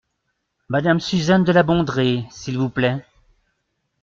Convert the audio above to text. Madame Suzanne de La Bondrée, s’il vous plaît ?